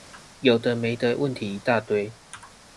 有的沒的問題一大堆